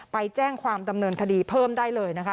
๐๔๔๙๒๘๘๖๘ไปแจ้งความดำเนินคดีเพิ่มได้เลยนะคะ